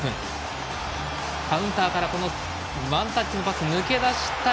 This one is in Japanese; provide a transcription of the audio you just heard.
カウンターからワンタッチのパス抜けだした。